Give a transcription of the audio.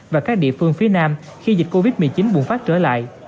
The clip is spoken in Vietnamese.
và các địa phương phía nam khi dịch covid một mươi chín bùng phát trở lại